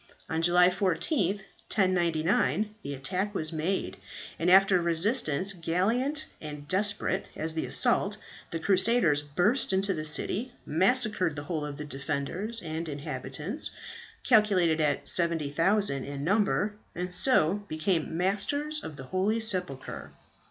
On July 14th, 1099, the attack was made, and after resistance gallant and desperate as the assault, the crusaders burst into the city, massacred the whole of the defenders and inhabitants, calculated at 70,000 in number, and so became masters of the holy sepulchre.